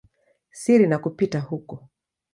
siri na kupita huko.